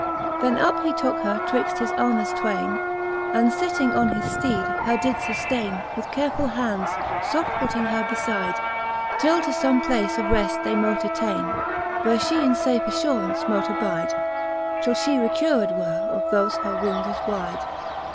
Then up he tookc her twixt his armes twaine. And fetting on his fteede, her did fuftaine With carefull hands, fofting foot her befide, Till to fome place of reft they mote attaine. Where Ihe in fafe alluraunce mote abide. Till ihe recured were of thofe her woundes wide.